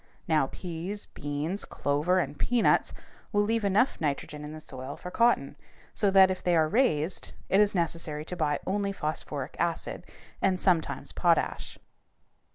Now peas, beans, clover, and peanuts will leave enough nitrogen in the soil for cotton, so that if they are raised, it is necessary to buy only phosphoric acid and sometimes potash.